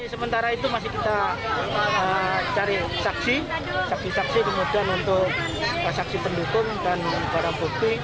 sementara itu masih kita cari saksi saksi kemudian untuk saksi pendukung dan barang bukti